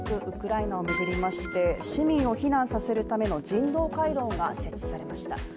ウクライナを巡りまして市民を避難させるための人道回廊が設置されました。